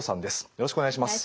よろしくお願いします。